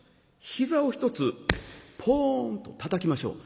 膝を１つポーンとたたきましょう。